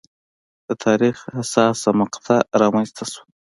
د تاریخ حساسه مقطعه رامنځته شوه.